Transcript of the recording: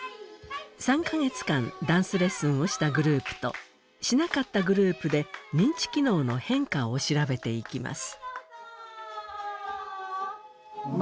３か月間ダンスレッスンをしたグループとしなかったグループで認知機能の変化を調べていきます。